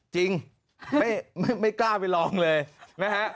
จริงไม่กล้าไปลองเลยนะฮะ